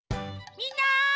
みんな！